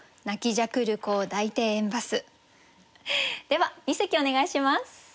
では二席お願いします。